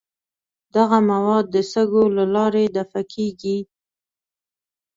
دغه مواد د سږو له لارې دفع کیږي.